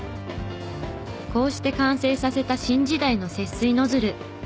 こうして完成させた新時代の節水ノズル。